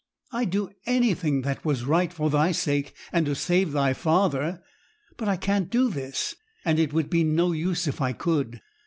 I'd do anything that was right for thy sake, and to save thy father; but I can't do this, and it would be no use if I could.